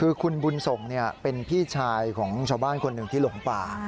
คือคุณบุญส่งเป็นพี่ชายของชาวบ้านคนหนึ่งที่หลงป่า